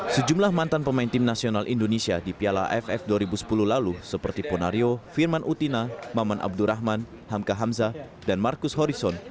sejumlah mantan pemain tim nasional indonesia di piala aff dua ribu sepuluh lalu seperti ponario firman utina maman abdurrahman hamka hamza dan marcus horizon